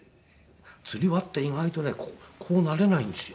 吊り輪って意外とねこうなれないんですよ。